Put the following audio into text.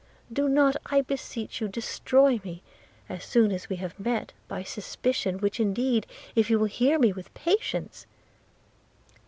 Do not, I beseech you, destroy me as soon as we have met, by suspicion, which indeed, if you will hear me with patience